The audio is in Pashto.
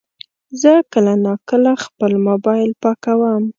زه کله ناکله خپل موبایل پاکوم.